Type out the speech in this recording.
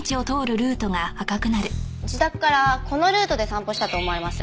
自宅からこのルートで散歩したと思われます。